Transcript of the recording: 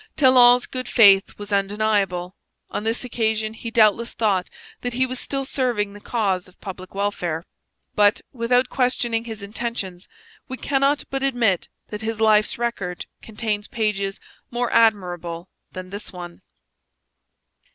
Talon's good faith was undeniable. On this occasion he doubtless thought that he was still serving the cause of public welfare. But, without questioning his intentions, we cannot but admit that his life's record contains pages more admirable than this one.